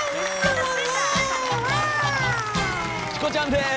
チコちゃんです！